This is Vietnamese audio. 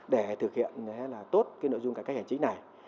để thực hiện tốt nội dung cải cách hành chính này